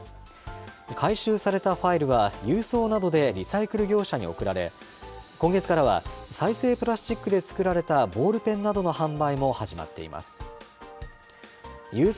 回収されたファイルは郵送などでリサイクル業者に送られ、今月からは再生プラスチックで作られたボールペンなどの販売も始まっています。